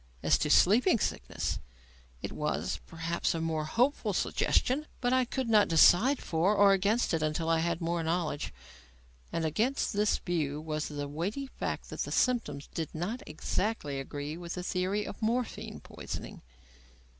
As to sleeping sickness, it was, perhaps a more hopeful suggestion, but I could not decide for or against it until I had more knowledge; and against this view was the weighty fact that the symptoms did exactly agree with the theory of morphine poisoning.